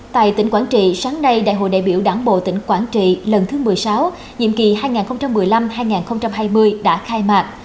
tại tỉnh quảng trị sáng nay đại hội đại biểu đảng bộ tỉnh quảng trị lần thứ một mươi sáu nhiệm kỳ hai nghìn một mươi năm hai nghìn hai mươi đã khai mạc